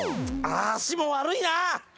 足場悪いな！